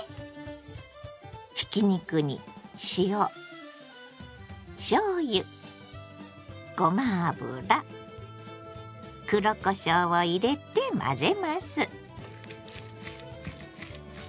ひき肉に塩しょうゆごま油黒こしょうを入れて混ぜます。